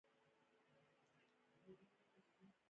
کارګر ته باید آفرین ووایو.